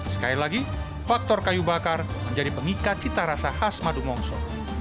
sekali lagi faktor kayu bakar menjadi pengikat cita rasa khas madu mongso